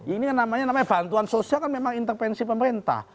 ini yang namanya bantuan sosial kan memang intervensi pemerintah